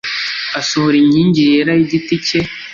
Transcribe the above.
asohora inkingi yera y igiti cye